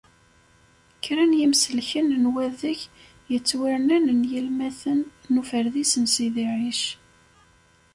Kkren yimsellken n wadeg yettwarnan n Yilmaten, n Uferdis n Sidi Ɛic.